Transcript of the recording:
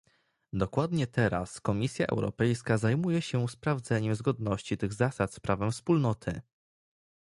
Dokładnie teraz Komisja Europejska zajmuje się sprawdzaniem zgodności tych zasad z prawem Wspólnoty